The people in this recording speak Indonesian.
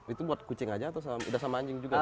itu buat kucing aja atau udah sama anjing juga